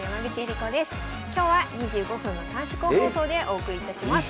今日は２５分の短縮放送でお送りいたします。